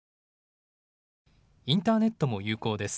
インターネットも有効です。